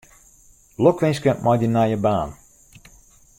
Lokwinske mei dyn nije baan.